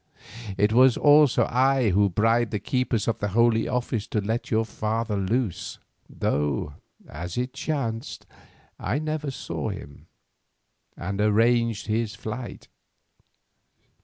It was I also who bribed the keepers of the Holy Office to let your father loose, though, as it chanced, I never saw him, and arranged his flight.